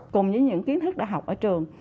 cùng với những kiến thức đại học ở trường